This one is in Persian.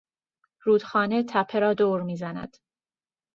رودخانه تپه را دور میزند.